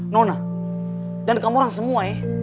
nona dan kamu orang semua ya